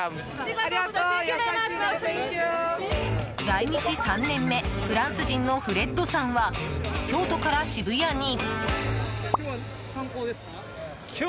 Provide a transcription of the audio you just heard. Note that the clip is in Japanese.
来日３年目、フランス人のフレッドさんは京都から渋谷に。